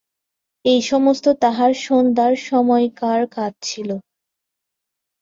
এ-সমস্তই তাঁহার সন্ধ্যার সময়কার কাজ ছিল।